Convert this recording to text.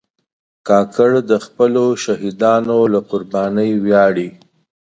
کاکړ د خپلو شهیدانو له قربانۍ ویاړي.